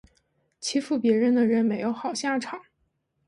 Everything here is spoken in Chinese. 欺负别人的人没有好下场